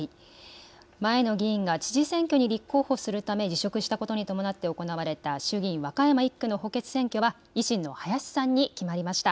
前の議員が知事選挙に立候補するため辞職したことに伴って行われた衆議院和歌山１区の補欠選挙は維新の林さんに決まりました。